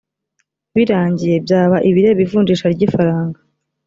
birangiye byaba ibireba ivunjisha ry ifaranga